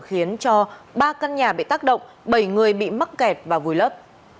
khiến cho ba căn nhà bị tác động bảy người bị mắc kẹt và vùi lấp